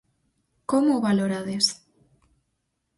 Como o valorades?